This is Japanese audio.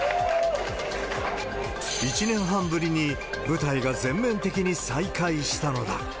１年半ぶりに舞台が全面的に再開したのだ。